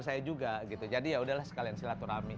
saya juga jadi yaudah sekalian sila terami